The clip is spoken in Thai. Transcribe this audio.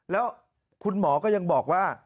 แล้วคุณหมอก็ยังบอกว่า